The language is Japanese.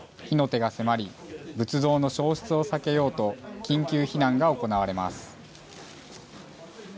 火の手が迫り、仏像の焼失を避けようと、緊急避難が行われます。